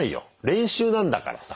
練習なんだからさ。